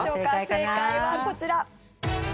正解はこちら。